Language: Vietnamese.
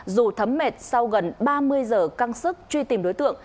dù thấm mệt sau gần ba mươi giờ căng sức truy tìm đối tượng